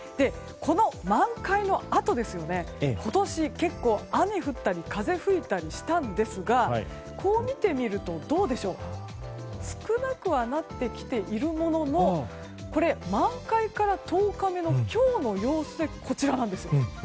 この満開のあと今年、結構雨が降ったり風が吹いたりしたんですがこう見てみるとどうでしょう少なくなってきてはいるものの満開から１０日目の今日の様子でこちらなんですよ。